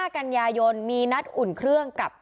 กันยายนมีนัดอุ่นเครื่องกับ